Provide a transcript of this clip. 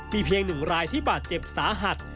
มีเพียง๑รายที่บาดเจ็บสาหัส